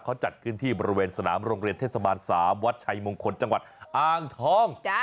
เขาจัดขึ้นที่บริเวณสนามโรงเรียนเทศบาล๓วัดชัยมงคลจังหวัดอ่างทอง